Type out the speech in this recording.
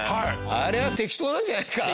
あれは適当なんじゃないですか？